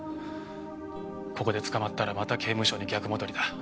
ここで捕まったらまた刑務所に逆戻りだ。